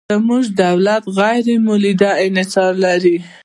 زموږ دولت غیر مولد انحصار لري.